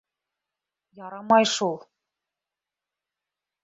Ярамай шул.